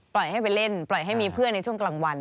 ให้ไปเล่นปล่อยให้มีเพื่อนในช่วงกลางวัน